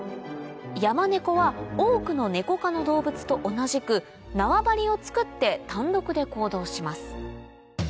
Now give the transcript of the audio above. ヤマネコは多くのネコ科の動物と同じく縄張りをつくって単独で行動します